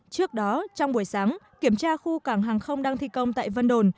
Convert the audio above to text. trước đó trong buổi sáng kiểm tra khu cảng hàng không đang thi công tại vân đồn